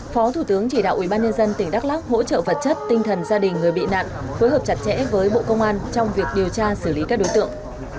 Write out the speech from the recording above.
phó thủ tướng chỉ đạo ubnd tỉnh đắk lắc hỗ trợ vật chất tinh thần gia đình người bị nạn phối hợp chặt chẽ với bộ công an trong việc điều tra xử lý các đối tượng